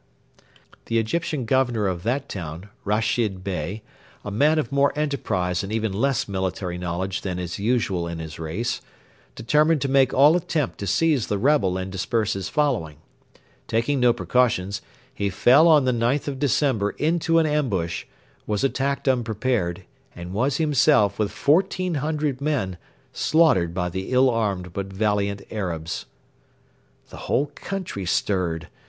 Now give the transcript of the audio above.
The Egyptian Governor of that town, Rashid Bey, a man of more enterprise and even less military knowledge than is usual in his race, determined to make all attempt to seize the rebel and disperse his following. Taking no precautions, he fell on the 9th of December into an ambush, was attacked unprepared, and was himself, with fourteen hundred men, slaughtered by the ill armed but valiant Arabs. The whole country stirred.